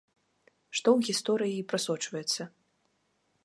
Што ў гісторыі і прасочваецца.